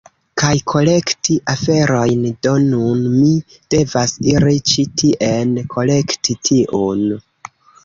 kaj kolekti aferojn, do nun mi devas iri ĉi tien, kolekti tiun…